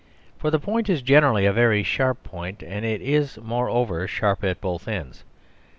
For the point is generally a very sharp point; and is, moreover, sharp at both ends.